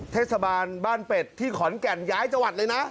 เทศบาลบ้านเป็ดที่ขอนแก่นย้ายจังหวัดเลยนะ